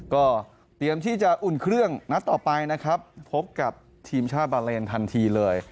ก็เตรียมที่จะอุ่นเครื่องนัดต่อไปนะครับพบกับทีมชาติบาเลนทันทีเลย